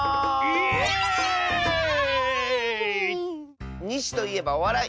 イエーイ！にしといえばおわらい！